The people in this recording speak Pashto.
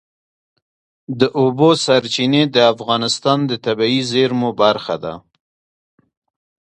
د اوبو سرچینې د افغانستان د طبیعي زیرمو برخه ده.